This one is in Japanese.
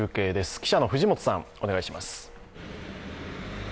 記者の藤本さん、お願いします。